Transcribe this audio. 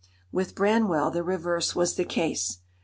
With Branwell the reverse was the case.